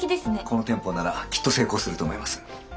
この店舗ならきっと成功すると思います。